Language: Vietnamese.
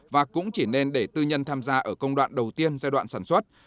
và cũng chỉ nên để tư nhân tham gia ở công đoạn đầu tiên giai đoạn sản xuất